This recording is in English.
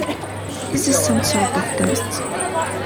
Is this some sort of test?